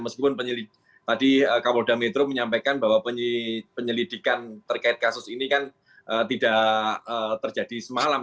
meskipun tadi kapolda metro menyampaikan bahwa penyelidikan terkait kasus ini kan tidak terjadi semalam